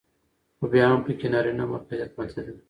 خو بيا هم پکې نرينه مرکزيت ماتېده